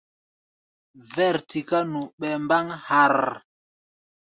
Vɛ̂r tiká nu ɓɛɛ mbáŋ harrr.